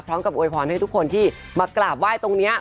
พร้อมกับโอยพรให้ทุกคนที่มากราบไหว้ตรงเนี้ย